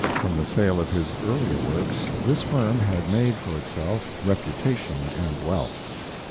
From the sale of his earlier works this firm had made for itself reputation and wealth.